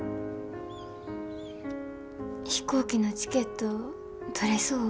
飛行機のチケット取れそう？